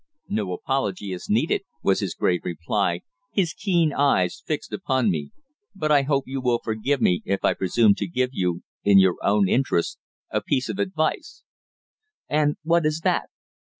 "No apology is needed," was his grave reply, his keen eyes fixed upon me. "But I hope you will forgive me if I presume to give you, in your own interests, a piece of advice." "And what is that?"